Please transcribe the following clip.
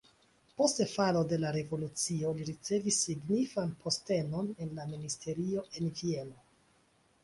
Post falo de la revolucio li ricevis signifan postenon en la ministerio en Vieno.